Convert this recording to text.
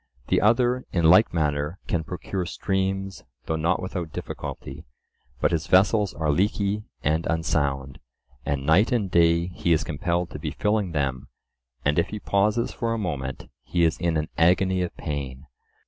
The other, in like manner, can procure streams, though not without difficulty; but his vessels are leaky and unsound, and night and day he is compelled to be filling them, and if he pauses for a moment, he is in an agony of pain.